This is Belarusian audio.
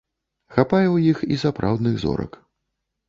Хапае ў іх і сапраўдных зорак.